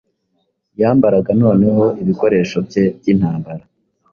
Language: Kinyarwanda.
yambaraga noneho ibikoresho bye byintambara